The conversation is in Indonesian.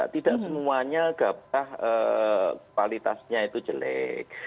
tidak semuanya gabah kualitasnya itu jelek